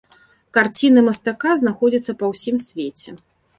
Карціны мастака знаходзяцца па ўсім свеце.